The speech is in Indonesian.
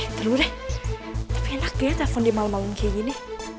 eh terlalu deh tapi enak ya telfon di malam malam kayak gini